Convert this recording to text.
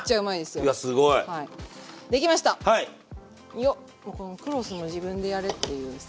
よっこのクロスも自分でやれっていうスタイルで。